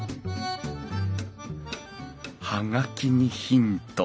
葉書にヒント。